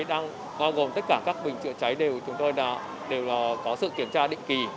đang hoa gồm tất cả các bình trự cháy đều có sự kiểm tra định kỳ